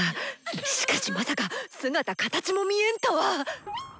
しかしまさか姿形も見えんとは！